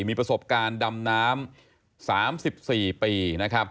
มีประสบการณ์ดำน้ำ๓๔ปี